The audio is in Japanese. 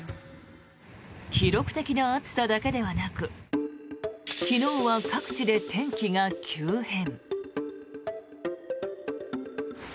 記録的な暑さだけではなく昨日は各地で天気が急変。